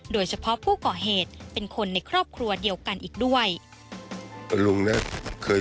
โดยเฉพาะผู้ก่อเหตุเป็นคนในครอบครัวเดียวกันอีกด้วย